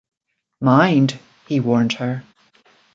“Mind!” he warned her.